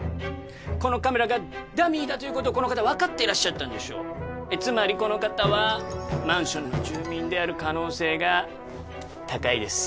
このカメラがダミーだということをこの方分かっていらっしゃったんでしょうつまりこの方はマンションの住民である可能性が高いです